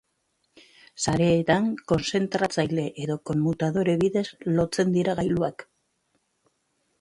Sareetan kontzentratzaile edo kommutadore bidez lotzen dira gailuak.